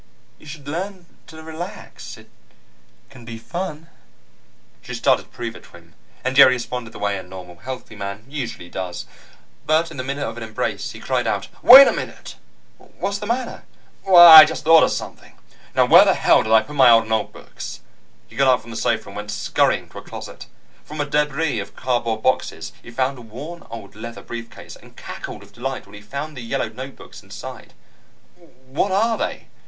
You should learn to relax. It can be fun." She started to prove it to him, and Jerry responded the way a normal, healthy male usually does. But in the middle of an embrace, he cried out: "Wait a minute!" "What's the matter?" "I just thought of something! Now where the hell did I put my old notebooks?" He got up from the sofa and went scurrying to a closet. From a debris of cardboard boxes, he found a worn old leather brief case, and cackled with delight when he found the yellowed notebooks inside. "What are they?"